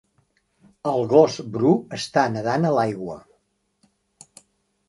El gos bru està nedant a l'aigua